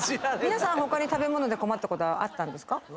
皆さん他に食べ物で困ったことはあったんですか？